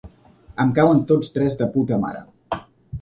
Em cauen tots tres de puta mare.